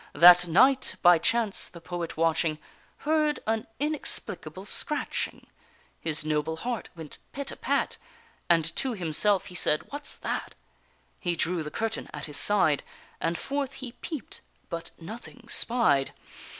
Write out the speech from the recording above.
That night, by chance, the poet watching, Heard an inexplicable scratching; His noble heart went pit a pat, And to himself he said "What's that?" He drew the curtain at his side, And forth he peep'd, but nothing spied.